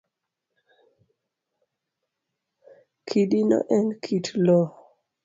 Kidino en kit loo